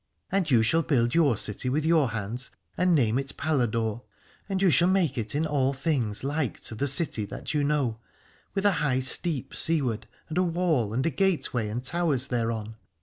And you shall build your city with your hands, and name it Paladore : and you shall make it in all things like to the city that you know, with a High Steep seaward, and a wall, and a gateway and towers thereon.